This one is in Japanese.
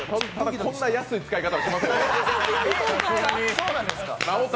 こんな安い使い方はしません。